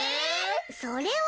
それは。